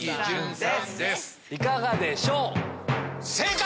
いかがでしょう？